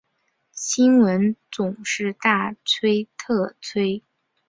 新闻总是大吹特吹